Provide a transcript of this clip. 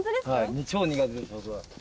超苦手です僕は。